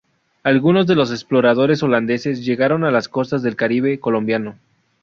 Algunos de los exploradores holandeses llegaron a las costas del Caribe colombiano.